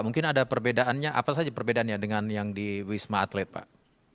mungkin ada perbedaannya apa saja perbedaannya dengan yang di wisma atlet pak